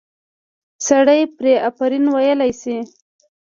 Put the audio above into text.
سړی پرې آفرین ویلی شي.